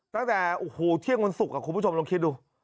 ตั้งแต่โอ้โหเที่ยงวันศุกร์คุณผู้ชมลองคิดดู